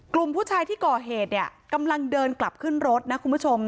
กลุ่มผู้ชายที่ก่อเหตุเนี่ยกำลังเดินกลับขึ้นรถนะคุณผู้ชม